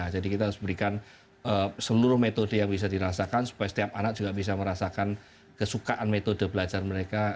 jadi kita harus memberikan seluruh metode yang bisa dirasakan supaya setiap anak juga bisa merasakan kesukaan metode belajar mereka